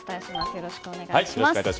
よろしくお願いします。